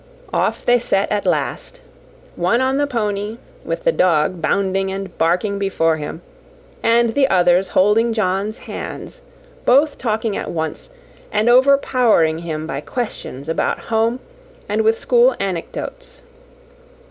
Off they set at last; one on the pony, with the dog bounding and barking before him, and the others holding John's hands; both talking at once, and overpowering him by questions about home, and with school anecdotes.